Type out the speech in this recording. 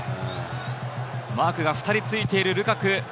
マークが２人ついているルカク。